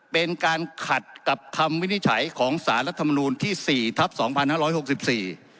เป็นการขัดกับคำวินิจฉัยของสารรัฐมนูลที่สี่ทับสองพันห้าร้อยหกสิบสี่